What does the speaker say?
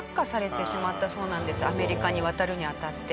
アメリカに渡るにあたって。